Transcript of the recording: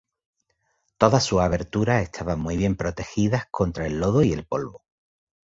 Todas sus aberturas estaban muy bien protegidas contra el lodo y el polvo.